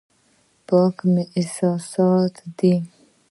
پاک مې احساسات دي.